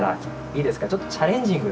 いいですかちょっとチャレンジングなね